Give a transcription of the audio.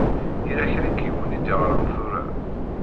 Yella kra n yiwen i d-iɣṛan tura.